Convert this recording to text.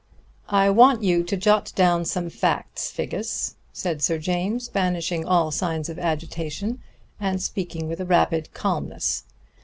"I want you to jot down some facts, Figgis," said Sir James, banishing all signs of agitation and speaking with a rapid calmness.